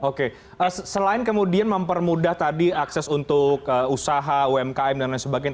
oke selain kemudian mempermudah tadi akses untuk usaha umkm dan lain sebagainya